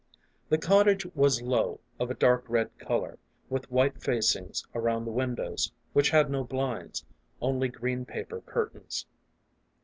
The cottage was low, of a dark red color, with white fac ings around the windows, which had no blinds, only green paper curtains.